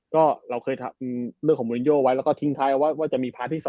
ก็เราเคยทำเรื่องของมูลินโยไว้แล้วก็ทิ้งท้ายเอาไว้ว่าจะมีพาร์ทที่๒